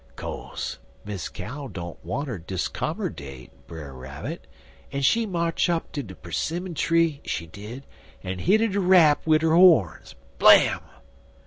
"C'ose Miss Cow don't wanter diskommerdate Brer Rabbit, en she march up ter de 'simmon tree, she did, en hit it a rap wid 'er horns blam!